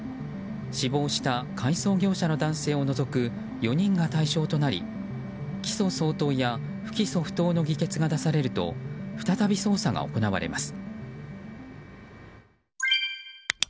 死亡した改装業者の男性を除く４人が対象となり起訴相当や不起訴相当の議決が出されると再び捜査が行われます。